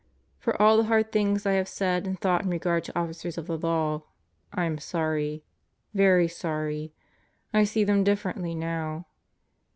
For all the hard things I have said and thought in regard to Officers of the Law, I am sorry. Very sorry. I see them differently now.